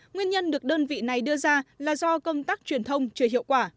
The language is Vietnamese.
nguyên nhân được đơn vị này đưa ra là do công tác truyền thông chưa hiệu quả